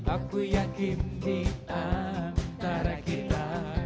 aku yakin diantara kita